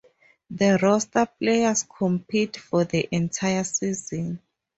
The roster players compete for the entire season.